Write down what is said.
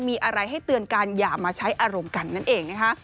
มีอะไรให้เตือนกันอย่ามาใช้อารมณ์กันนั่นเองนะคะ